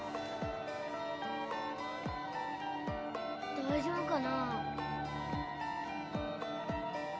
大丈夫かな？